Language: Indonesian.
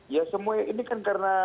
ya semua ini kan karena